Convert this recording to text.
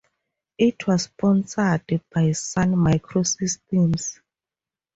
It was sponsored by Sun Microsystems.